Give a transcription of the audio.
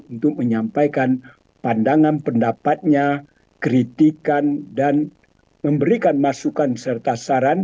untuk menyampaikan pandangan pendapatnya kritikan dan memberikan masukan serta saran